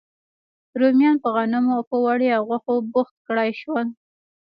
رومیان په غنمو او په وړیا غوښو بوخت کړای شول.